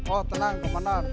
oh tenang komandar